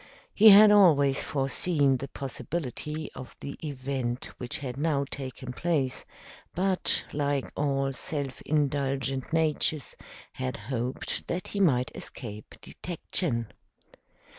He had always foreseen the possibility of the event which had now taken place, but, like all self indulgent natures, had hoped that he might escape detection.